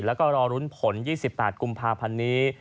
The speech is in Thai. แล้วก็รอรุ้นผล๒๘กุมภาพันธ์นี้